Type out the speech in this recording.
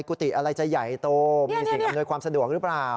กุฏิอะไรจะใหญ่โตมีสิ่งอำนวยความสะดวกหรือเปล่า